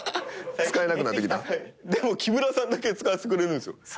でも木村さんだけ使わせてくれるんすよ。